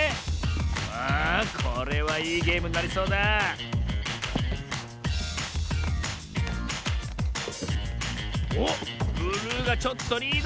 さあこれはいいゲームになりそうだおっブルーがちょっとリード！